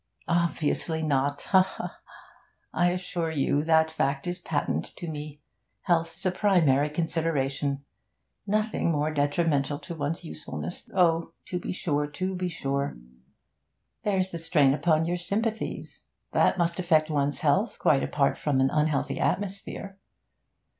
'Obviously not! Ha, ha! I assure you that fact is patent to me. Health is a primary consideration. Nothing more detrimental to one's usefulness than an impaired... Oh, to be sure, to be sure!' 'There's the strain upon your sympathies. That must affect one's health, quite apart from an unhealthy atmosphere.'